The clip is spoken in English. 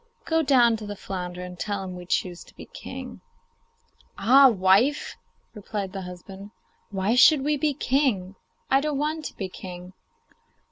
Go down to the flounder and tell him we choose to be king.' 'Ah, wife!' replied her husband, 'why should we be king? I don't want to be king.